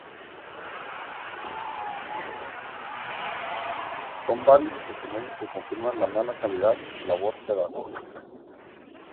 Son varios los testimonios que confirman la mala calidad de su labor pedagógica.